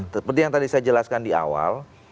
seperti yang tadi saya jelaskan di awal